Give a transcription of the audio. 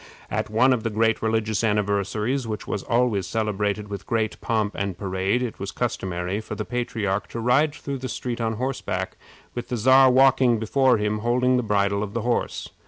At one of the great religious anniversaries, which was always celebrated with great pomp and parade, it was customary for the patriarch to ride through the street on horseback, with the Czar walking before him holding the bridle of the horse.